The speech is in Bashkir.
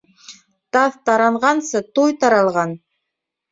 Таҙ таранғанса, туй таралған.